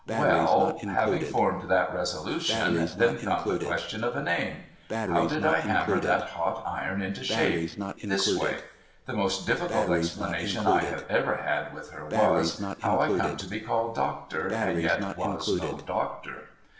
Well ! Having formed that resolution, then come the question of a name. How did I hammer that hot iron into shape ? This way. The most difficult explanation I had ever had with her was, how I come to be called Doctor, and yet was no Doctor.